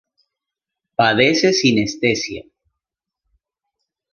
Padece sinestesia.